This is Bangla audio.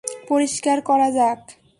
পরিষ্কার করা যাক।